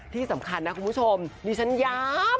ที่สำคัญนะคุณผู้ชม